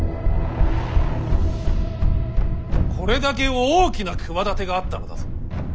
これだけ大きな企てがあったのだぞ。